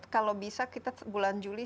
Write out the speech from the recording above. kalau bisa kita bulan juli